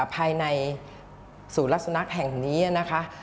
ภายในสูญรักษ์สุนัขแห่งนี้นะคะ